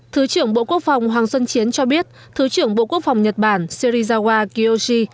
thứ trưởng bộ quốc phòng hoàng xuân chiến cho biết thứ trưởng bộ quốc phòng nhật bản sirizawa kiyoshi